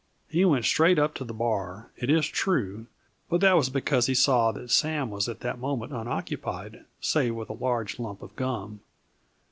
He went straight up to the bar, it is true, but that was because he saw that Sam was at that moment unoccupied, save with a large lump of gum.